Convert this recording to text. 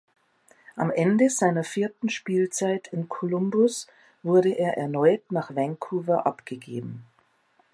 Am Ende seiner vierten Spielzeit in Columbus wurde er erneut nach Vancouver abgegeben.